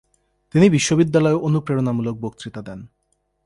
তিনি বিশ্ববিদ্যালয়েও অনুপ্রেরণামূলক বক্তৃতা দেন।